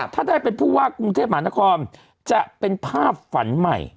ถ้าได้เป็นผู้ว่ากรุงเทพหมานครจะเป็นภาพฝันใหม่